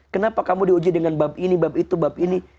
kenapa kamu diuji dengan bab ini bab itu bab ini